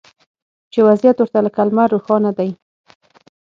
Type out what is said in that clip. چې وضعیت ورته لکه لمر روښانه دی